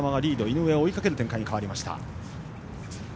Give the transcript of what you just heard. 井上は追いかける展開に変わりました。